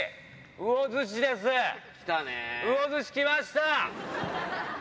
魚津市来ました。